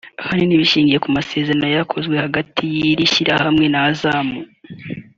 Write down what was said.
ahanini bishingiye ku masezerano yari yakozwe hagati y’iri shyirahamwe na Azam